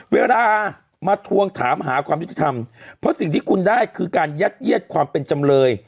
เวลามาทวงถามหาความยุติธรรมเพราะสิ่งที่คุณได้คือการยัดเยียดความเป็นจำเลย